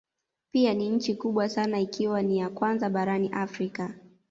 Pia ni nchi kubwa sana ikiwa ni ya kwanza barani Afrika